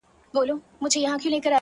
هغې ويله ځمه د سنگسار مخه يې نيسم،